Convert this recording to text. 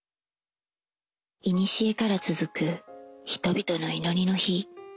いにしえから続く人々の祈りの灯。